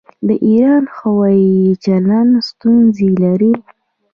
د ایران هوايي چلند ستونزې لري.